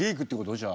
じゃあ。